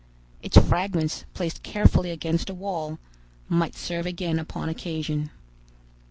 Its fragments, placed carefully against a wall, might serve again upon occasion.